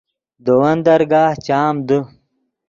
دے ون درگاہ چام دے